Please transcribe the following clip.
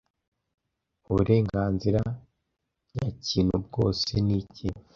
uburenganzira nyakintu bwose niki